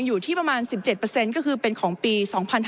อยู่ที่ประมาณ๑๗เปอร์เซ็นต์ก็คือเป็นของปี๒๕๖๔